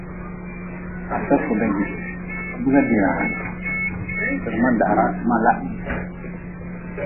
Afia fuda jite, biga dira hagʼbe, sirma dahra mala.